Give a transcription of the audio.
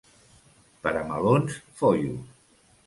Per a melons, Foios.